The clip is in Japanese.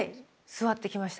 座ってきました。